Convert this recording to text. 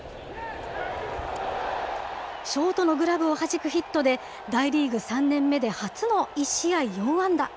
ショートのグラブをはじくヒットで、大リーグ３年目で初の１試合４安打。